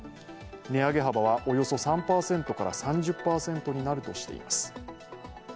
値上げ幅はおよそ３％から３０％になるとしています。